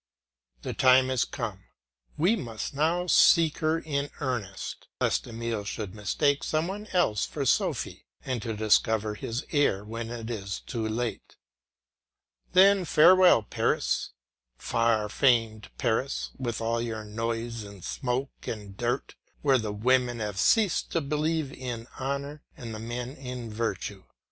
The time is come; we must now seek her in earnest, lest Emile should mistake some one else for Sophy, and only discover his error when it is too late. Then farewell Paris, far famed Paris, with all your noise and smoke and dirt, where the women have ceased to believe in honour and the men in virtue.